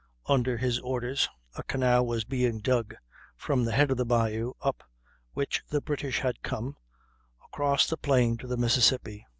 Under his orders a canal was being dug from the head of the bayou up which the British had come, across the plain to the Mississippi.